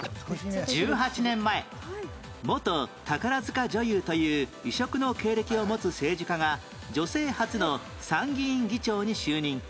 １８年前元宝塚女優という異色の経歴を持つ政治家が女性初の参議院議長に就任